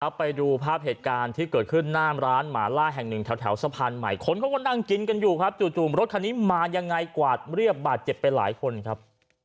ไปดูภาพเหตุการณ์ที่เกิดขึ้นหน้าร้านหมาล่าแห่งหนึ่งแถวสะพานใหม่คนเขาก็นั่งกินกันอยู่ครับจู่รถคันนี้มายังไงกวาดเรียบบาดเจ็บไปหลายคนครับ